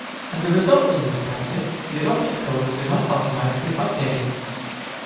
As a result of this practice, the adopted codes are not automatically updated.